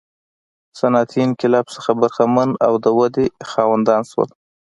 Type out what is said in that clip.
صنعتي انقلاب څخه برخمن او د ودې خاوندان شول.